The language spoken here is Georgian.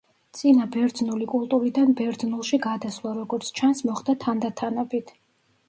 წინა ბერძნული კულტურიდან ბერძნულში გადასვლა, როგორც ჩანს მოხდა თანდათანობით.